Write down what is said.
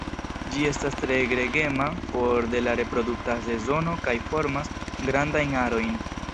Ĝi estas tre gregema for de la reprodukta sezono kaj formas grandajn arojn.